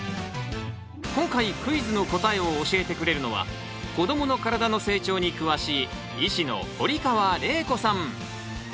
今回クイズの答えを教えてくれるのは子どもの体の成長に詳しい医師の堀川玲子さん。